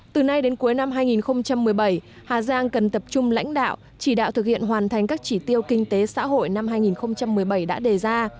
từ nay đến cuối năm hai nghìn một mươi bảy hà giang cần tập trung lãnh đạo chỉ đạo thực hiện hoàn thành các chỉ tiêu kinh tế xã hội năm hai nghìn một mươi bảy đã đề ra